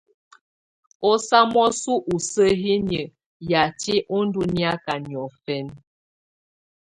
Ú samɔsɔ ù sǝhiniǝ́ yatɛ̀á ù ndɔ̀ niaka niɔ̀fɛ̀na.